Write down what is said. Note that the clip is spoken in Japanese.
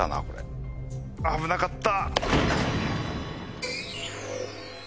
危なかった。